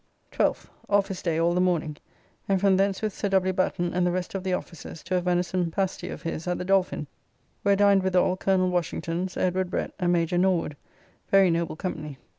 12th. Office day all the morning, and from thence with Sir W. Batten and the rest of the officers to a venison pasty of his at the Dolphin, where dined withal Col. Washington, Sir Edward Brett, and Major Norwood, very noble company.